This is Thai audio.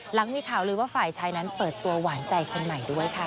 หลังมีข่าวลือว่าฝ่ายชายนั้นเปิดตัวหวานใจคนใหม่ด้วยค่ะ